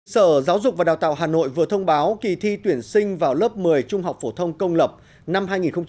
sở giáo dục và đào tạo hà nội vừa thông báo kỳ thi tuyển sinh vào lớp một mươi trung học phổ thông công lập năm hai nghìn một mươi chín hai nghìn hai mươi